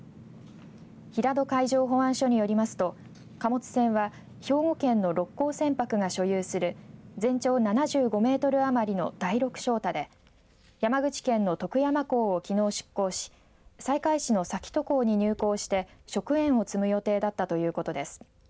平戸海上保安署によりますと貨物船は兵庫県の六甲船舶が所有する全長７５メートル余りの第六翔太で山口県の徳山港をきのう出港し西海市の崎戸港に入港して食塩を積む予定だったということです。